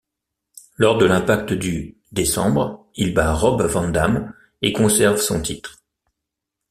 Lors de l'Impact du décembre, il bat Rob Van Dam et conserve son titre.